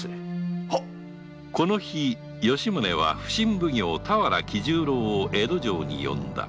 この日吉宗は普請奉行・田原喜十郎を江戸城に呼んだ